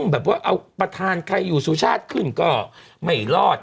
แบบว่าเอาประธานใครอยู่สุชาติขึ้นก็ไม่รอด